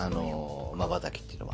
まばたきというのは。